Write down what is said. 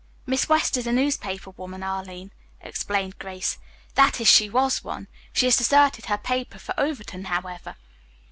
"Miss West is a newspaper woman, Arline," explained Grace. "That is, she was one. She has deserted her paper for Overton, however."